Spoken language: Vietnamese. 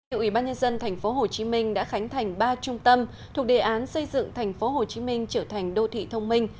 chủ yếu ủy ban nhân dân tp hcm đã khánh thành ba trung tâm thuộc đề án xây dựng tp hcm trở thành đô thị thông minh